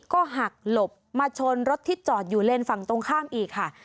ก็หักหลบมาชนรถที่จอดอยู่เลนส์ฝั่งตรงข้ามอีกค่ะ